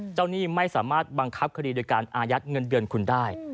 หนี้ไม่สามารถบังคับคดีโดยการอายัดเงินเดือนคุณได้